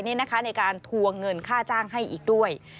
ในการทวงเงินค่าจ้างให้อีกด้วย